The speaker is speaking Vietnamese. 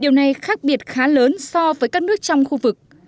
điều này khác biệt khá lớn so với các nước trong khu vực